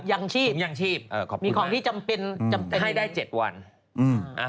ถุงยังชีพมีของที่จำเป็นจำเป็นยังไงขอบคุณมาก